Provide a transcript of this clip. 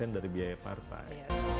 dari biaya partai